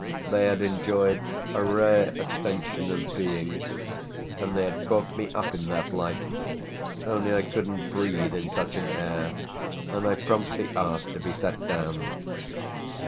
They had enjoyed a rare extension of being and they had caught me up in their flight; only I couldn't breathe in such an air and I promptly asked to be set down.